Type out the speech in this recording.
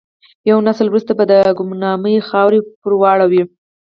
یو نسل وروسته به د ګمنامۍ خاورې پر واوړي.